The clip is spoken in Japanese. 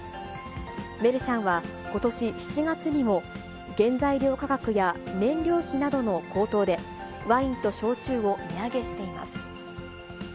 メルシャンは、ことし７月にも、原材料価格や燃料費などの高騰で、ワインと焼酎を値上げしています。